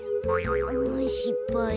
んしっぱい。